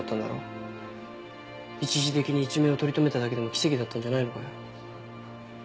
一時的に一命を取り留めただけでも奇跡だったんじゃないのかよ？